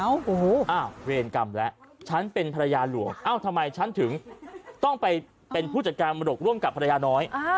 โอ้โหเวรกรรมแล้วฉันเป็นภรรยาหลวงเอ้าทำไมฉันถึงต้องไปเป็นผู้จัดการมรดกร่วมกับภรรยาน้อย